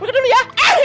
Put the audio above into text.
buka dulu ya